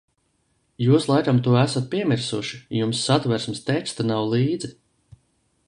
Jūs laikam to esat piemirsuši, jums Satversmes teksta nav līdzi.